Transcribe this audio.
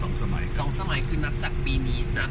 สองสมัยคือนับจากปีนี้